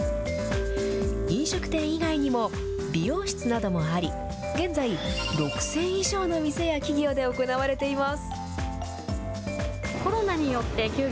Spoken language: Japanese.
飲食店以外にも、美容室などもあり、現在、６０００以上の店や企業で行われています。